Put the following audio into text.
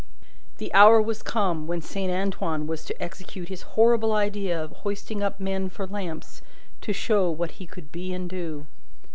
The hour was come, when Saint Antoine was to execute his horrible idea of hoisting up men for lamps to show what he could be and do.